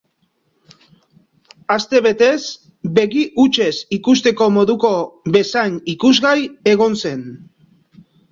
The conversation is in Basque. Aste betez begi hutsez ikusteko moduko bezain ikusgai egon zen.